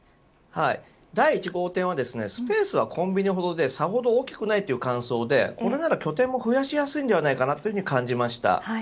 第１号店はスペースはコンビニほどでさほど大きくないという感想でこれなら拠点も増やしやすいと感じました。